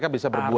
bisa berbuat juga